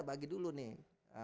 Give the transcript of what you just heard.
bagi dulu nih